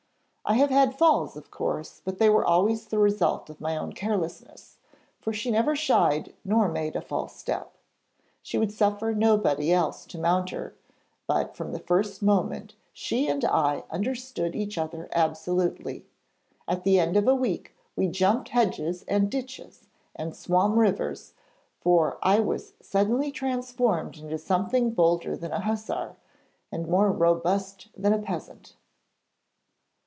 I have had falls, of course, but they were always the result of my own carelessness, for she never shied nor made a false step. She would suffer nobody else to mount her, but from the first moment she and I understood each other absolutely. At the end of a week we jumped hedges and ditches and swam rivers, for I was suddenly transformed into something bolder than a hussar, and more robust than a peasant.'